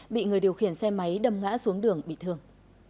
bị người điều khiển xe máy đâm ngã xuống đường bị thương